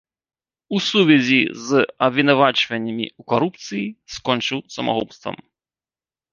У сувязі з абвінавачваннямі ў карупцыі скончыў самагубствам.